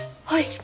はい。